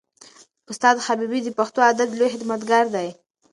استاد حبیبي د پښتو ادب لوی خدمتګار دی.